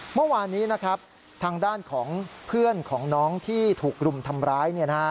เมื่อวานนี้นะครับทางด้านของเพื่อนของน้องที่ถูกรุมทำร้าย